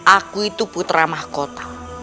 aku itu putra mahkota